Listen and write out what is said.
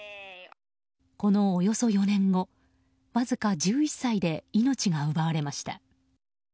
このおよそ４年後わずか１１歳で命が奪われました。